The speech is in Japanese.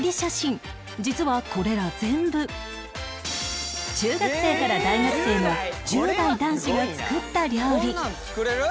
実はこれら全部中学生から大学生の１０代男子が作った料理